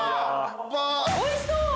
おいしそう！